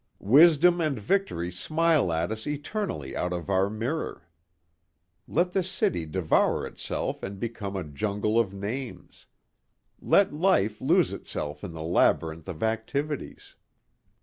Wisdom and victory smile at us eternally out of our mirror. Let the city devour itself and become a jungle of names. Let life lose itself in the labyrinth of activities.